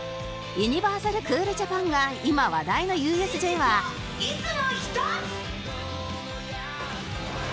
ユニバーサル・クールジャパンが今話題の ＵＳＪ はを獲得